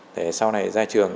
để sau này ra trường